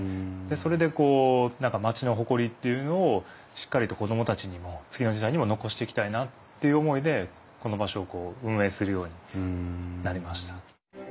それでこう何か町の誇りというのをしっかりと子供たちにも次の時代にも残していきたいなという思いでこの場所を運営するようになりました。